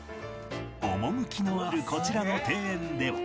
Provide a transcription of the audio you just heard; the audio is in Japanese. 趣のあるこちらの庭園では